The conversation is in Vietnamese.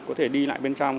có thể đi lại bên trong